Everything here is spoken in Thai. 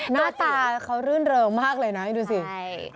หน้าตาเขารื่นเริงมากเลยนะดูสิ